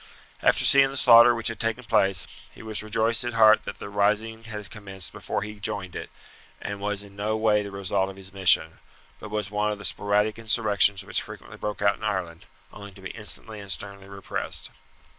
After seeing the slaughter which had taken place, he was rejoiced at heart that the rising had commenced before he joined it, and was in no way the result of his mission, but was one of the sporadic insurrections which frequently broke out in Ireland, only to be instantly and sternly repressed.